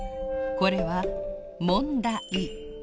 これはもんだ「い」。